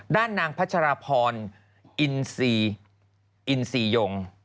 ด้านนางพัชรพรอินทรียง